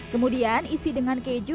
kemudian isi dengan keju